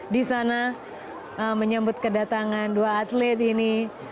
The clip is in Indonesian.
di sana menyambut kedatangan dua atlet ini